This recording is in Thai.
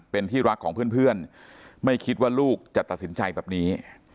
เป็นที่รักของเพื่อนไม่คิดว่าลูกจะตัดสินใจแบบนี้